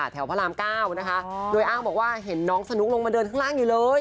พระรามเก้านะคะโดยอ้างบอกว่าเห็นน้องสนุกลงมาเดินข้างล่างอยู่เลย